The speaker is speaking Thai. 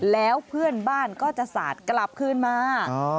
แล้วเพื่อนบ้านก็จะสาดกลับคืนมา